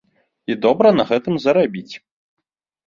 І добра на гэтым зарабіць.